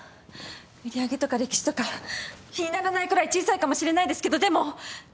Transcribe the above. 売り上げとか歴史とか比にならないくらい小さいかもしれないですけどでも。